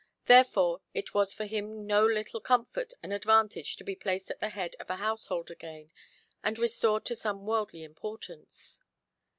Therefore it was for him no little comfort and advantage to be placed at the head of a household again, and restored to some worldly importance.